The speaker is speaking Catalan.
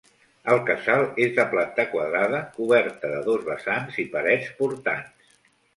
El casal és de planta quadrada, coberta de dos vessants i parets portants.